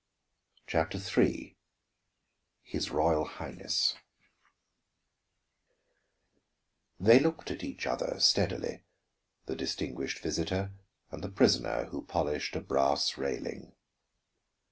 CHAPTER III HIS ROYAL HIGHNESS They looked at each other steadily, the distinguished visitor and the prisoner who polished a brass railing.